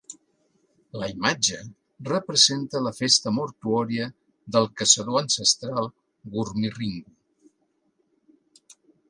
La imatge representa la festa mortuòria del caçador ancestral Gurrmirringu.